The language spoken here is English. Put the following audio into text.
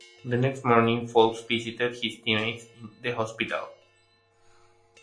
The next morning, Foulkes visited his teammates in the hospital.